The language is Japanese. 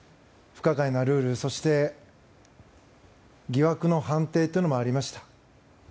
不可解なルールそして疑惑の判定というのもありました。